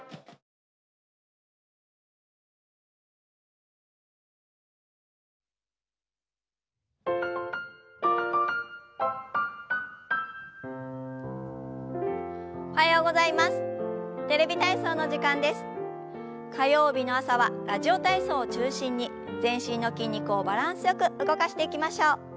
火曜日の朝は「ラジオ体操」を中心に全身の筋肉をバランスよく動かしていきましょう。